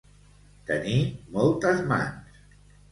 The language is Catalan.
Tenir moltes mans.